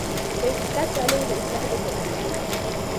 که انتقاد سالم وي نو اصلاح نه ځنډیږي.